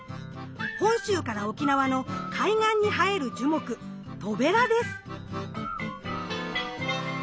本州から沖縄の海岸に生える樹木トベラです。